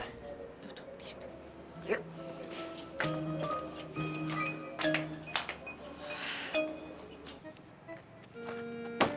tuh tuh disitu